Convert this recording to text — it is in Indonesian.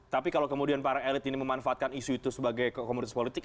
tapi kalau kemudian para elit ini memanfaatkan isu itu sebagai komoditas politik